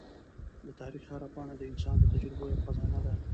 د تاریخ هره پاڼه د انسان د تجربو یوه خزانه ده.